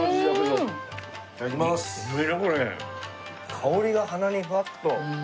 香りが鼻にふわっと。